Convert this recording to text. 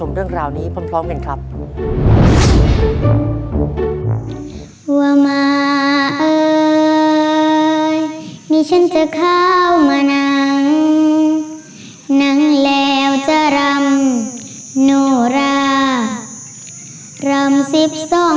เรื่องราวนี้พร้อมกันครับ